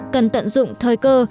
cần tận dụng thời cơ